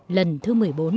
vào ngày thứ một mươi bốn